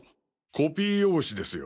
コピー用紙ですよ。